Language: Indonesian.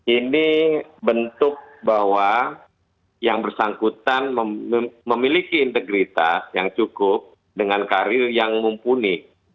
ini bentuk bahwa yang bersangkutan memiliki integritas yang cukup dengan karir yang mumpuni